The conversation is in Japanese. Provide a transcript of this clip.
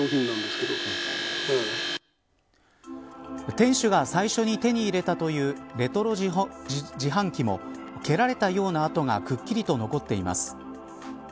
店主が最初に手に入れたというレトロ自販機も蹴られたような跡がくっきりと残っています。